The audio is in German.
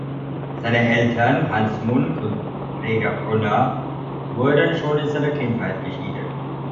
Seine Eltern, Hans Munk und Rega Brunner, wurden schon in seiner Kindheit geschieden.